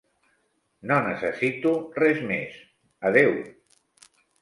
No necessito res més, adeu!